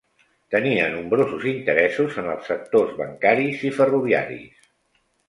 Tenia nombrosos interessos en els sectors bancaris i ferroviaris.